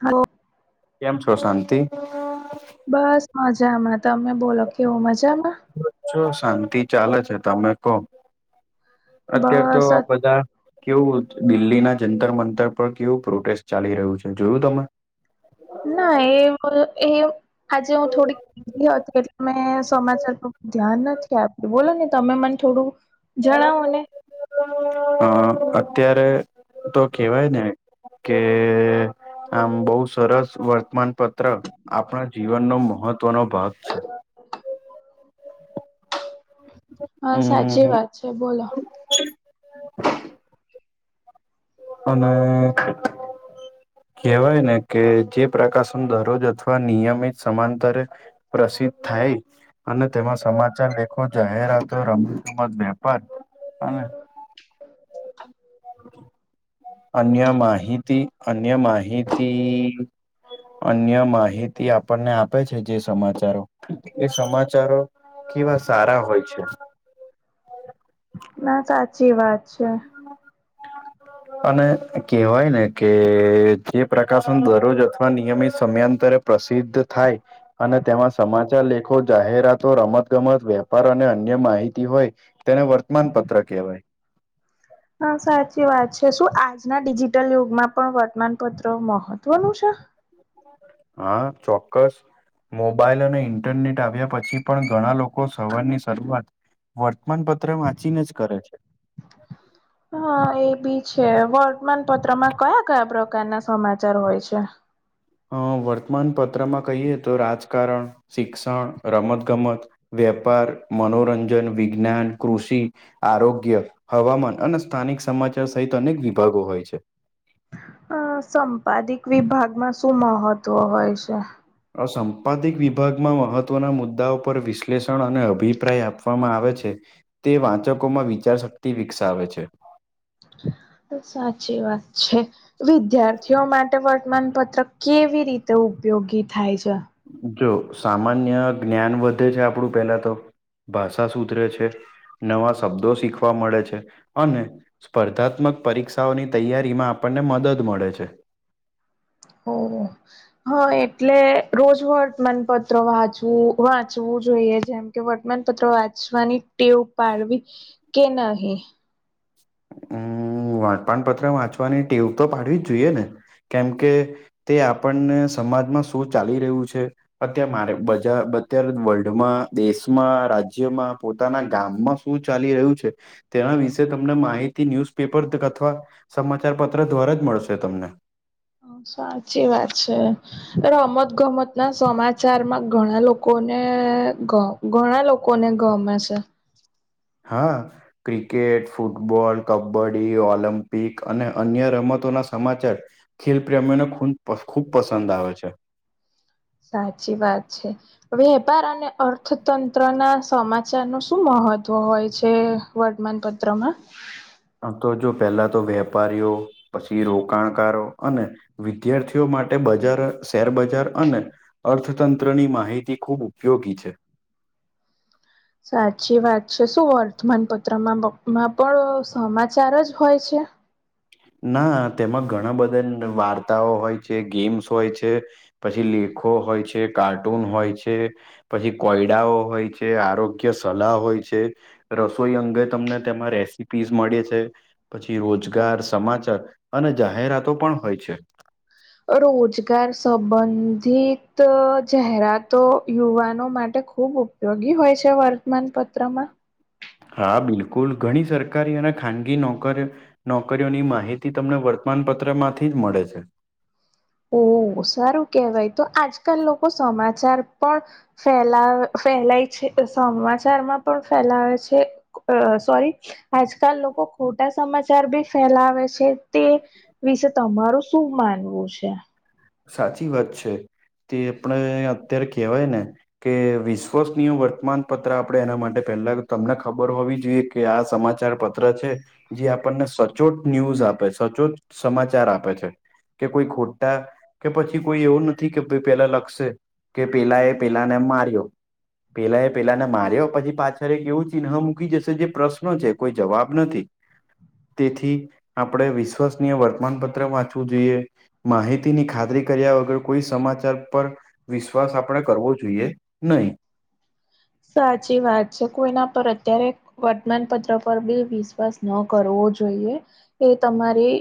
હાલો કેમ છો શાંતિ? બસ મજામાં તમે બોલો કેવું મજામાં? જો શાંતિ ચાલે છે તમે કહો અત્યારે તો બસ અત બધા કેવું દિલ્હી ના જંતર મંતર પર કેવું પ્રોટેસ્ટ ચાલી રહ્યું છે જોયું તમે? ના એ હું એ આજે હું થોડીક બીજી હતી એટલે મેં સમાચાર ઉપર ધ્યાન નથી આપ્યું બોલો ને તમે મને થોડું જણાવોને અ અત્યારે તો કેવાય ને કે આમ બહુ સરસ વર્તમાનપત્રક આપણા જીવનનો મહત્વનો ભાગ છે. હા સાચી હમ વાત છે બોલો અને કહેવાય ને કે જે પ્રકાશન દરરોજ અથવા નિયમિત સમાંતરે પ્રસિદ્ધ થાય અને તેમાં સમાચાર લેખો જાહેરતો રમતગમત વેપાર અને [inaudible] અન્ય માહિતી અન્ય માહિતી અન્ય માહિતી આપણને આપેછે જે સમાચારો. એ સમાચારો કેવા સારા હોય છે. ના સાચી વાત છે. અને કહેવાયને કે જે પ્રકાશન દરરોજ અથવા નિયમિત સમયાંતરે પ્રસિદ્ધ થાય અને તેમાં સમાચાર લે ખો જાહેરાતો રમત ગમત વેપાર અને અન્ય માહિતી હોય. તેને વર્તમાન પત્ર કહેવાય. હા સાચી વાત છે શું આજના ડિજિટલ યુગમાં પણ વર્તમાનપત્ર મહત્વનું છે. હા ચોક્કસ. મોબાઈલ અને ઇન્ટરનેટ આવ્યા પછી પણ ઘણા લોકો સવારની શરૂઆત વર્તમાનપત્ર વાંચી ને જ કરે છે. હા એબી છે વર્તમાનપત્રમાં કયા કયા પ્રકારના સમાચાર હોય છે? અહ વર્તમાન પત્રમાં કહીએ તો રાજકારણ શિક્ષણ રમત ગમત વ્યાપાર મનોરંજન વિજ્ઞાન કૃષિ આરોગ્ય હવામાન અને સ્થાનિક સમાચાર સહિત અનેક વિભાગો હોય છે. અહ સંપાદિક વિભાગમાં શું મહત્વ હોય છે? અહ સંંપાદિક વિભાગમાં મહત્વના મુદ્દાઓ પર વિશ્લેષણ અને અભિપ્રાય આપવામાં આવે છે. તે વાંચકોમાં વિચારશક્તિ વિકસાવે છે. તો સાચી વાત છે વિદ્યાર્થીઓ મા ટે વર્તમાનપત્ર કેવી રીતે ઉપયોગી થાય છે? જો સામાન્ય જ્ઞાન વધે છે આપણું પેલા તો ભાષા સુધરે છે. નવા શબ્દો શીખવા મળે છે અને સ્પર્ધાત્મક પરીક્ષાઓની તૈયારીમાં આપણને મદદ મળે છે. ઓ હ એટલે રોજ વર્તમાનપત્ર વાંચવું વાંચવું જોઈએ જેમ કે વર્તમાનપત્ર વાંચવાની ટેવ પાડવી કે નહી? ઉમ્મ વર્તમાનપત્ર વાંચવાની ટેવ તો પાડવી જ જોઈએ ને કેમકે તે આપણને સમાજમાં શું ચાલી રહ્યું છે. અત્યારે મારે વર્લ્ડમાં દેશમાં રાજ્યમાં પોતાના ગામમાં શું શું ચાલી રહ્યું છે, તેના વિશે તમને માહિતી તે ન્યુઝપેપર અથવા સમાચાર પત્ર દ્વારા જ મળશે તમને. સાચી વાત છે. રમત ગમત સમાચારમાં ઘણા લોકોને ઘણા લોકોને ગમે છે. હા. ક્રિકેટ ફૂટબોલ કબડ્ડી ઓલમ્પિક અને અન્ય રમતોના સમાચાર. ખેલ પ્રેમીઓને ખૂબ પસંદ આવે છે. સાચી વાત છે. વેપાર અને અર્થતંત્રના સમાચારનું શું મહત્વ હોય છે? વર્તમાનપત્રમાં? આમતો જો પહેલાતો વેપારીઓ, પછી રોકાણકારો અને વિદ્યાર્થીઓ માટે બજાર શેરબજાર અને અર્થતંત્રની માહિતી ખૂબ ઉપયોગી છે. સાચી વાત છે શું વર્તમાનપત્રમાંમાં પણ સમાચાર જ હોય છે? ના તેમાં ઘણા બધા વાર્તાઓ હોય છે ગેમ્સ હોય છે. પછી લેખો હોય છે કાર્ટૂન હોય છે. પછી કોયડાઓ હોય છે, આરોગ્ય સલાહ હોય છે. રસોઈ અંગે તમને તેમાં રેસીપીઝ મળે છે, પછી રોજગાર સમાચાર અને જાહેરાતો પણ હોય છે. રોજગાર સંબંધિત જાહેરાતો યુવાનો માટે ખૂબ ઉપયોગી હોય છે વર્તમાન પત્રમાં? હા બિલકુલ ઘણી સરકારી અને ખાનગી નોકરી નોકરીઓની માહિતી તમને વર્તમાન પત્રમાંથી જ મળે છે. ઓ સારું કેહેવાય તો આજકાલ લોકો સમાચાર પણ ફેલા ફેલાય છે, સમાચારમાં પણ ફેલાવે છે. અ સોરી આજકાલ લોકો ખોટા સમાચાર બી ફેલાવે છે તે વિશે તમારું શું માનવું છે? સાચી વાત છે, તે આપણે અત્યારે કહેવાય ને. કે વિશ્વસનીય વર્તમાન પત્ર આપણે એના માટે પહેલા તમને ખબર હોવી જોઈએ. કે આ સમાચાર પત્ર છે. જે સચોટ ન્યુઝ આપે, સચોટ સમાચાર આપે છે. કે કોઈ ખોટા કે પછી કોઈ એવું નથી કે પેલા લખશે, કે પેલા એ પેલાને માર્યો. પેલા એ પેલા માર્યો પછી પાછળ કેવું ચિન્હ્ મૂકી જશે જે પ્રશ્નો છે. કોઈ જવાબ નથી. તેથી આપણેે વિશ્વસનીય વર્તમાનપત્ર વાંચવું જોઈએ, માહિતીની ખાત- -રી કર્યા વગર કોઈ સમાચાર પર વિશ્વાસ આપણે કરવો જોઈએ નહી. સાચી વાત છે કોઈ ના પર અત્યારે વર્તમાનપત્ર પર બી વિશ્વાસ ન કરવો જોઈએ, એ તમારી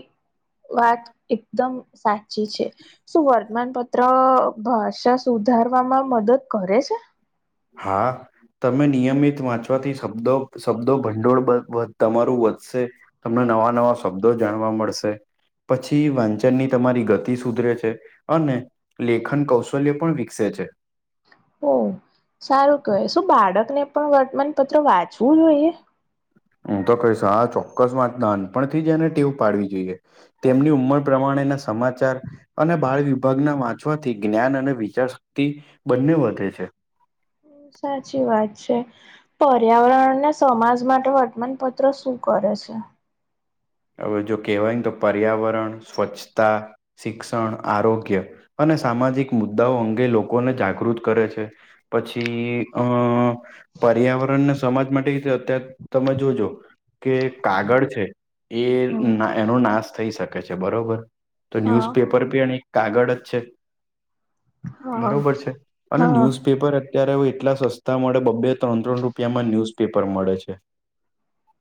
વાત એકદમ સાચી છે. શું વર્તમાનપત્ર ભાષા સુધારવામાં મદદ કરે છે? હા. તમે નિયમિત વાંચવાથી શબ્દો શબ્દો ભંડોળ બબ તમારું વધશે. તમને નવા નવા શબ્દો જાણવા મળશે. પછી વાંચનની તમારી ગતિ સુધરે છે અને લેખન કૌશલ્ય પણ વિકસે છે. ઓ સારું કહે શું બાળક ને પણ વર્તમાનપત્ર વાંચવું જોઈએ? હું તો કહીશ આ ચોક્કસ વાંચતા નાનપણથી જ એને ટીવ પાડવી જોઈએ. તેમની ઉંમર પ્રમાણેના સમાચાર અને બાળ વિભાગના વાંચવાથી જ્ઞાન અને વિચાર શક્તિ બંને વધે છે. સાચી વાત છે. પર્યાવરણને સમાજ માટે વર્તમાનપત્ર શું કરે છે. હવે જો કહેવાય ને તો પર્યાવરણ, સ્વચ્છતા શિક્ષણ, આરોગ્ય અને સામાજિક મુદ્દાઓ અંગે લોકોને જાગૃત કરે છે. પછી અહ પર્યાવરણને સમાજ માટે એ તો અત્યા તમે જોજો કે કાગળ છે એ હમ એનો નાશ થઈ શકે છે બરોબર તો હા ન્યૂઝપેપ પર કે એની કાગળ જ છે હા બરોબર છે અને હા ન્યુઝપેપર જ અત્યારે હું એટલા સસ્તા મળે બબ્બે ત્રણ-ત્રણ રૂપિયામાં ન્યૂઝપેપર મળે છે.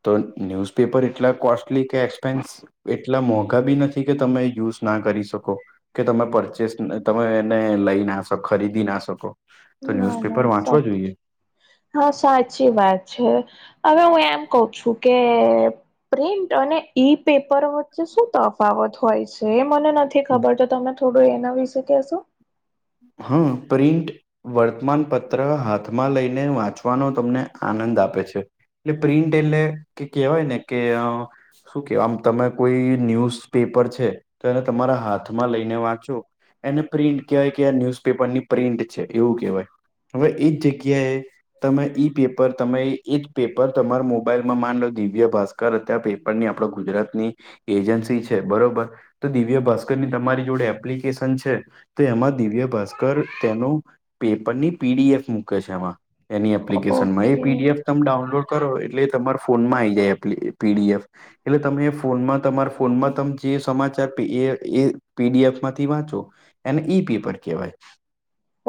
તો ન્યૂઝપેપર એટલા કોસ્ટલી કે એક્સપેન્સ એટલા મોંઘા બી નથી કે તમે યુઝ ના કરી શકો. કે તમે પરચેસ તમે એને લઈ ના શક ખરીદી ના શકો. તો ના ના ન્યુઝપેપર સા વાંચવા જોઈએ. હા સાચી વાત છે હવે હું એમ કહું છું કે પ્રિન્ટ અને ઈ પેપર વચ્ચે શું તફાવત હોય છે, એ મને નથી ખબર તો તમે થોડું એના વિશે કહેશો. હા, પ્રિંન્ટ વર્તમાન પત્ર હાથમાં લઈને વાંચવાનો તમને આનંદ આપે છે. એટલે પ્રિન્ટ એટલે કે કેહેવાય ને કે અ શું કે આમ તમે કોઈ ન્યૂઝ પેપર છે, તો એને તમારા હાથમાં લઈને વાંચો એને પ્રિન્ટ કેવાય કે ન્યૂઝપેપર ની પ્રિન્ટ છે એવું કહેવાય. હવે એ જ જગ્યાએ તમે ઈ પેપર તમે એ જ પેપર તમારા મોબાઈલ માં માન લો દિવ્ય ભાસ કર ત્યાં, પેપરની આપણે ગુજરાતની એજન્સી છે, બરોબર તો દિવ્ય ભાસ્કર ની તમારી જોડે એપ્લિકેશન છે, તો એમાં દિવ્ય ભાસ્કર તેનો પેપરની પીડીએફ મૂકે છે, એમાં. એની એપ્લિકેશન માં એ ઓકે પીડીએફ તમે ડાઉનલોડ કરો, એટલે તમાર ફોનમાં આઈ જાય એપ્લી પીડીએફ. એટલે તમે ફોનમાં તમાર ફોનમાં તમે જે સમાચાર એ એ પીડીએફ માંથી વાંચો એને ઈ પેપર કહેવાય.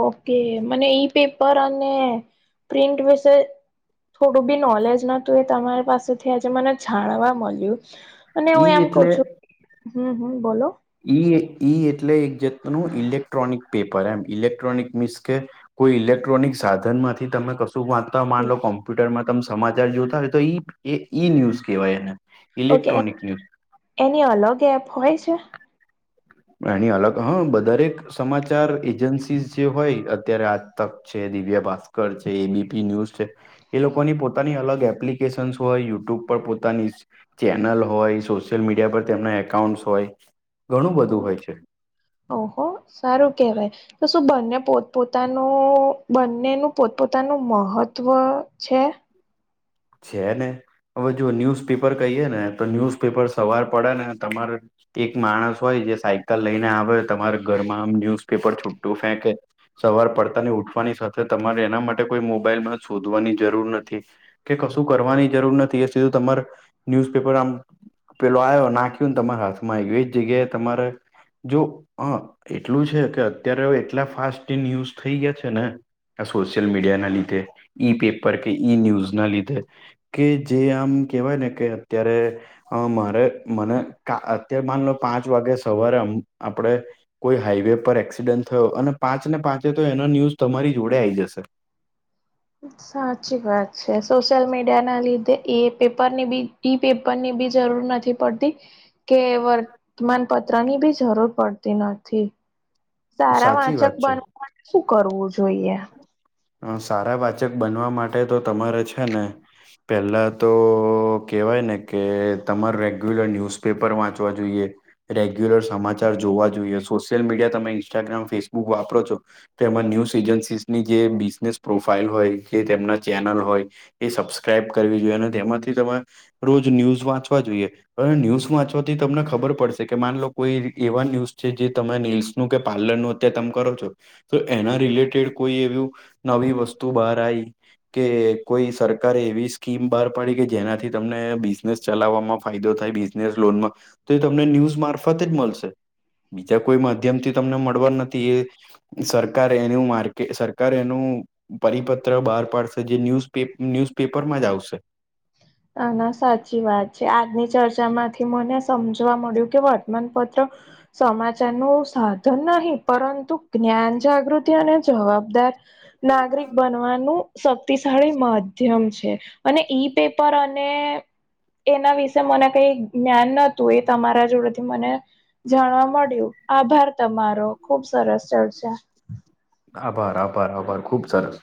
ઓકે, મને ઈ પેપર અને પ્રિન્ટ વિશે થોડું બી નોલેજ નતું, એ તમારી પાસેથી આજે મને જાણવા મલ્યું. અને હું ઈ એમ કઉ એટલે છું, હમ હમ બોલો. ઈ ઈ એટલે એક જાતનું ઇલેક્ટ્રોનિક પેપર એમ, ઇલેક્ટ્રોનિક મિન્સ કે કોઈ ઇલેક્ટ્રોનિક સાધનમાંથી તમે કશું વા ત માન લો કોમ્પ્યુટરમાં તમ સમાચાર જોતા હોય તો, ઈ એ ઈ ન્યૂઝ કહેવાય એને. ઓકે. ઇલેક્ટ્રોનિક ન્યૂઝ એની અલગ એપ હોય છે? એની અલગ હા, બ દરેક સમાચાર એજન્સીસ જે હોય અત્યારે આજ તક છે, દિવ્યા ભાસ્કર છે, એબીપી ન્યુઝ છે. એ લોકોની પોતાની અલગ એપ્લિકેશનસ હોય, યુટ્યુબ પર પોતાની ચેનલ હોય, સોશિયલ મીડિયા પર તેમના એકાઉન્ટસ હોય. ઘણું બધું હમ્મ. [inaudible] ઓહો, સારું કેહેવાય. તો શું બંને પોતપોતાનું બંનેનું પોતપોતાનું મહત્વ છે. છે ને, હવે જો ન્યૂઝ પેપર કહીએ ને તો ન્યૂઝ પેપર સવાર પડે ને તમારે એક માણસ હોય જે સાયકલ લઈને આવે તમારા ઘરમાં આમ ન્યૂઝપેપર છુટું ફેંકે. સવાર પડતા ને ઉઠવાની સાથે તમારે એના માટે કોઈ મોબાઈલમાં શોધવાની જરૂર નથી. કે કશું કરવાની જરૂર નથી એ સીધું તમાર ન્યુઝપેપર આમ પેલો આવયો નાખ્યું ને, તમારા હાથ મા એવું એજ જગ્યા તમારે જો હ એટલું છે કે, અત્યારે એટલા ફાસ્ટ ઇન યુઝ થઈ ગયા છે ને આ સોશિયલ મીડિયા ના લીધે, ઈ પેપર કે ઈ ન્યૂઝ ના લીધે. કે જે આમ કહેવાય ને, કે અત્યારે અ મારે મને ક અત્યાર માન લો, પાંચ વાગે સવારે આમ આપડે કોઈ હાઈવે પર એક્સિડન્ટ થયો અને પાંચ ને પાંચે તો એનો ન્યૂઝ તમારી જોડે આઈ જશે. સાચી વાત છે. સોશિયલ મીડિયા ના લીધે એ પેપરની બી ઈ પેપરની બી જરૂર નથી પડતી. કે વર્તમાન પત્રની બી જરૂર પડતી નથી. સારા સાચી વાંચક વાત છે બનવા માટે શું કરવું જોઈએ. અ સારા વાંચક બનવા માટે તો તમારે છે ને પહેલા તો કહેવાય ને કે, તમારું રેગ્યુલર ન્યૂઝપેપર વાંચવા જોઈએ. રેગ્યુલર સમાચાર જોવા જોઈએ, સોશિયલ મીડિયા તમે ઇન્સ્ટાગ્રામ ફેસબુક વાપરો છો. તેમાં ન્યૂઝ એજન્સીસની જે બિઝનેસ પ્રોફાઈલ હોય જે તેમના ચેનલ હોય એ સબસ્ક્રાઈબ કરવી જોઈએ અને તેમાંથી તમે રોજ ન્યૂઝ વાંચવા જોઈએ. હવે ન્યૂઝ વાંચવાથી તમને ખબર પડશે માન લો કોઈ એવા ન્યૂઝ છે જે તમે રીલ્સ કે પાર્લર નું અત્યારે તમે કરો છો તો એના રિલેટેડ કોઈ પેલુ નવી વસ્તુ બહાર આઈ કે કોઈ સરકારે એવી સ્કીમ બહાર પાડી કે જેનાથી તમને બિઝનેસ ચલાવવામાં ફાયદો થાય નમાં તો એ તમને ન્યૂઝ મારફતે જ મળશે. બીજા કોઈ માધ્યમ થી તમને મળવા નથી એ સરકાર એનું માર્કેટ સરકારે કાર એનું પરિપત્ર બહાર પાડશે જે ન્યૂઝ ન્યુઝપેપર માં જ આવશે. આના સાચી વાત છે આજની ચર્ચા માંથી મને સમજવા મળ્યું કે વર્તમાનપત્ર ત્ર સમાજ સેનું સાધન નહી પરંતુ જ્ઞાન જાગૃતિ અને જવાબદાર નાગરિક બનવાનું શક્તિશાળી માધ્યમ છે અને ઈ પેપ પર અને એના વિશે મને કઈ જ્ઞાન નોતુ એ તમારા જોડેથી મને જાણવા મળ્યું આભાર તમારો ખુબ સરસ ચર્ચા આભાર આભાર આભાર ખુબ સરસ